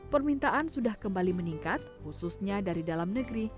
permintaan sudah kembali meningkat khususnya dari dalam negeri